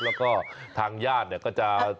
แล้วก็ทางญาติเนี่ยก็จะ